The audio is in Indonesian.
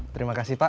terima kasih pak